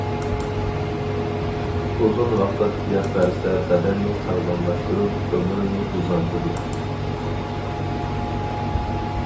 ئۇزۇن ۋاقىت يەپ بەرسە بەدەننى ساغلاملاشتۇرۇپ ئۆمۈرنى ئۇزارتىدۇ.